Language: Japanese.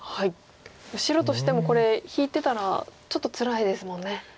白としてもこれ引いてたらちょっとつらいですもんね。